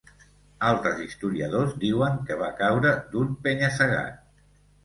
Altres historiadors diuen que va caure d'un penya-segat.